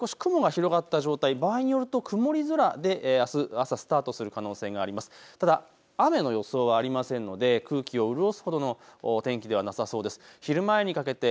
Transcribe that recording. ですからあす朝は関東南部少し雲が広がった状態、場合によると曇り空であす朝スタートする可能性があります。